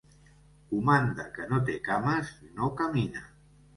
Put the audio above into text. Comanda que no té cames no camina.